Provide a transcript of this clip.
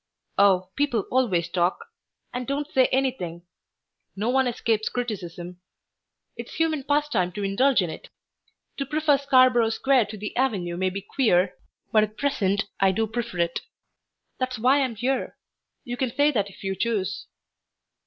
"Oh, people always talk! And don't say anything. No one escapes criticism. It's human pastime to indulge in it. To prefer Scarborough Square to the Avenue may be queer, but at present I do prefer it. That's why I'm here. You can say that if you choose."